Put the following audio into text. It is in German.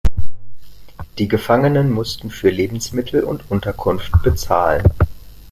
Die Gefangenen mussten für Lebensmittel und Unterkunft bezahlen.